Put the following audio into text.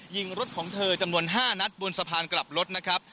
ยิงรถของเธอจำนวน๕นัดบนสะพานกลับรถนะครับ